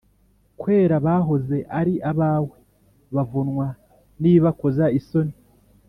Kwera bahoze ari abawe bavunwa n ibibakoza isoni